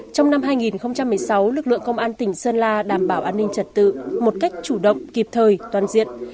trong năm hai nghìn một mươi sáu lực lượng công an tỉnh sơn la đảm bảo an ninh trật tự một cách chủ động kịp thời toàn diện